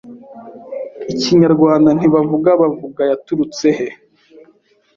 Ikinyarwanda Ntibavuga Bavuga yaturutse he